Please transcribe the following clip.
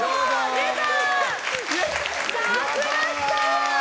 出た！